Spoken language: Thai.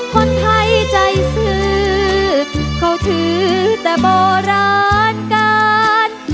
คนไทยใจซื้อเขาถือแต่โบราณการ